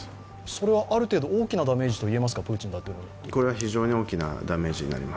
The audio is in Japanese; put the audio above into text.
それは、ある程度、大きなダメージといえますか、プーチン大統領にとって。